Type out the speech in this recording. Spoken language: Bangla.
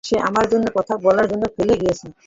সে আমার সাথে কথা বলার জন্য ফেলে গিয়েছে।